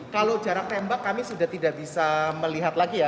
kalau jarak tembak kami sudah tidak bisa melihat lagi ya